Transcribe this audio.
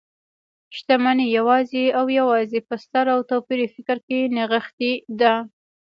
شتمنۍ يوازې او يوازې په ستر او توپيري فکر کې نغښتي ده .